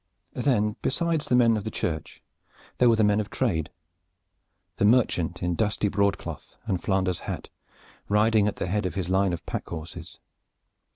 Then besides the men of the church there were the men of trade, the merchant in dusty broadcloth and Flanders hat riding at the head of his line of pack horses.